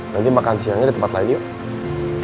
nanti makan siangnya di tempat lain yuk